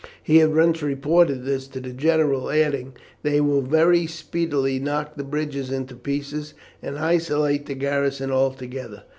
He at once reported this to the general, adding: "They will very speedily knock the bridges into pieces and isolate the garrison altogether.